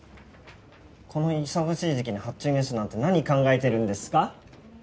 この忙しい時期に発注ミスなんて何考えてるんですか？